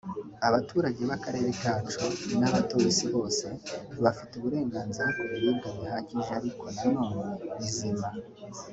Abaturage b’akarere kacu n’abatuye Isi bose bafite uburenganzira ku biribwa bihagije ariko na none bizima